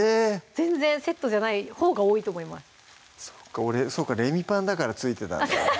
全然セットじゃないほうが多いと思いますそうか俺「レミパン」だから付いてたんだ